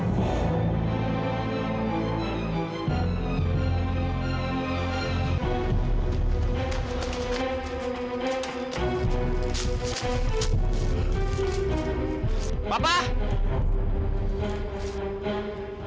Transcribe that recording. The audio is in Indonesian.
ya terima kasih banyak ya pak